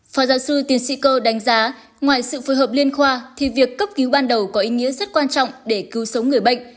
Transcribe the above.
phó giáo sư tiến sĩ cơ đánh giá ngoài sự phối hợp liên khoa thì việc cấp cứu ban đầu có ý nghĩa rất quan trọng để cứu sống người bệnh